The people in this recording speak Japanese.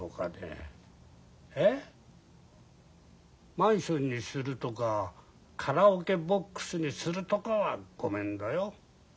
マンションにするとかカラオケボックスにするとかはごめんだよ。